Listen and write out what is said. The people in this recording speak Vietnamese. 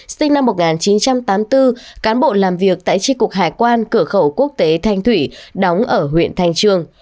sinh năm một nghìn chín trăm tám mươi bốn cán bộ làm việc tại tri cục hải quan cửa khẩu quốc tế thanh thủy đóng ở huyện thanh trường